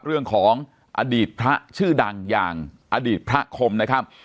เรื่องของอดีตพระชื่อดังอย่างอดีตพระคมนะครับ